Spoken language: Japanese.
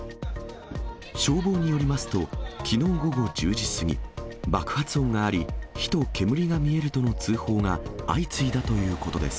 消防によりますと、きのう午後１０時過ぎ、爆発音があり、火と煙が見えるとの通報が相次いだということです。